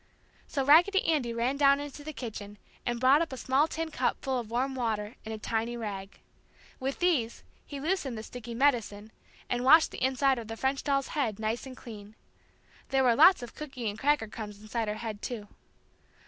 So Raggedy Andy ran down into the kitchen and brought up a small tin cup full of warm water and a tiny rag. With these he loosened the sticky "medicine" and washed the inside of the French doll's head nice and clean. There were lots of cooky and cracker crumbs inside her head, too.